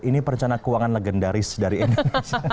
ini perencana keuangan legendaris dari indonesia